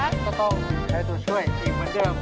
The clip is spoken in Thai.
ก็ต้องใช้ตัวช่วยทีมเหมือนเดิม